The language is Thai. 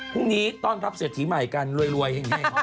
พรุ่งนี้ต้อนรับเศรษฐีใหม่กันรวยอย่างนี้